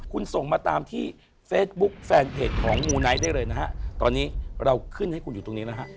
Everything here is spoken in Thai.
คุณส่งมาตามที่เฟซบุ๊คแฟนเพจของมูไนท์ได้เลยนะฮะตอนนี้เราขึ้นให้คุณอยู่ตรงนี้แล้วฮะ